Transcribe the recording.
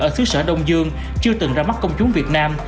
ở xứ sở đông dương chưa từng ra mắt công chúng việt nam